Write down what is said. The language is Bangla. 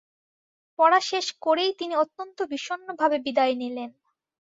পড়া শেষ করেই তিনি অত্যন্ত বিষন্নভাবে বিদায় নিলেন।